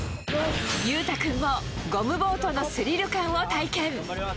裕太君もゴムボートのスリル感を体験。